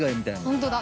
◆本当だ。